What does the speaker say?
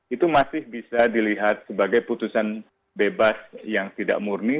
itu masih bisa dilihat sebagai putusan bebas yang tidak murni